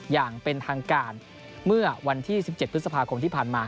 อย่างเป็นทางการเมื่อวันที่๑๗พฤษภาคมที่ผ่านมา